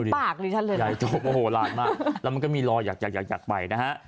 เต็มปากเลยชั้นเลยโหหลาดมากแล้วมันก็มีลอยักษ์อยากไปนะฮะ